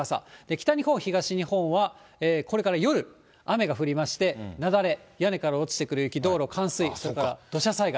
北日本、東日本は、これから夜、雨が降りまして、雪崩、屋根から落ちてくる雪、道路冠水、それから土砂災害。